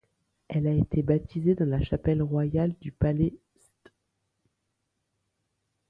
Elle a été baptisée dans la chapelle royale du Palais St.